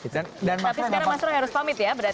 tapi sekarang mas roy harus pamit ya